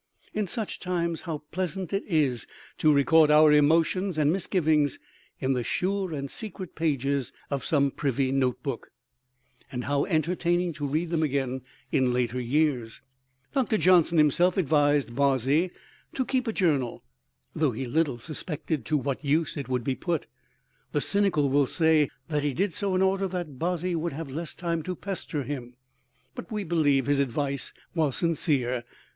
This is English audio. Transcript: In such times, how pleasant it is to record our emotions and misgivings in the sure and secret pages of some privy notebook; and how entertaining to read them again in later years! Dr. Johnson himself advised Bozzy to keep a journal, though he little suspected to what use it would be put. The cynical will say that he did so in order that Bozzy would have less time to pester him, but we believe his advice was sincere.